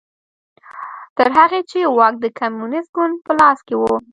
تر هغې چې واک د کمونېست ګوند په لاس کې و